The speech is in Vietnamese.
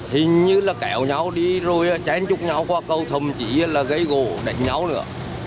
hình như là kéo nhau đi rồi chém chúc nhau qua cầu thậm chí là gây gỗ đánh nhau nữa